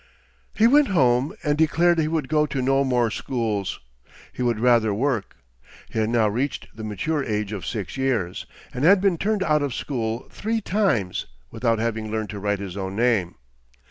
He went home and declared he would go to no more schools, but would rather work. He had now reached the mature age of six years, and had been turned out of school three times, without having learned to write his own name.